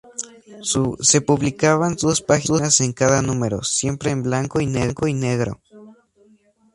Se publicaban dos páginas en cada número, siempre en blanco y negro.